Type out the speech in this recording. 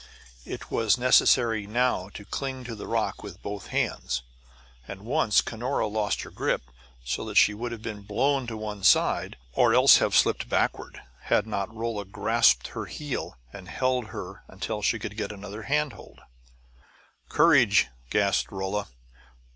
It was necessary now to cling to the rock with both hands, and once Cunora lost her grip, so that she would have been blown to one side, or else have slipped backward, had not Rolla grasped her heel and held her until she could get another hand hold. "Courage!" gasped Rolla.